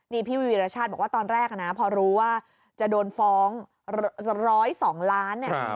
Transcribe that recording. นี่พี่วีรชาติบอกว่าตอนแรกนะพอรู้ว่าจะโดนฟ้อง๑๐๒ล้านเนี่ย